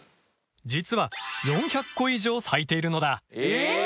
実は４００個以上咲いているのだ。え！？